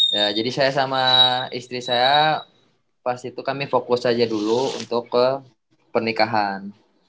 ya jadi saya sama istri saya pas itu kami fokus aja dulu untuk ke pernikahan